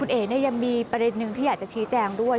เอ๋ยังมีประเด็นหนึ่งที่อยากจะชี้แจงด้วย